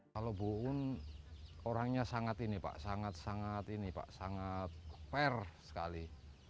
kalau bu un orangnya sangat ini pak sangat sangat ini pak sangat fair sekali